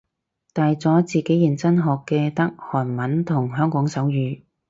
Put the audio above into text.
大咗自己認真學嘅得韓文同香港手語